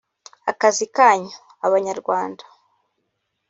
akazi kanyu [Abanyarwanda]